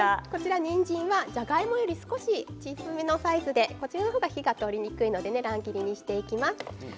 じゃがいもより少し小さめのサイズでこちらの方が火が通りにくいので乱切りにしていきます。